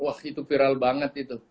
wah itu viral banget itu